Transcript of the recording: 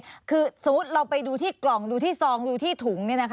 คือสมมุติเราไปดูที่กล่องดูที่ซองดูที่ถุง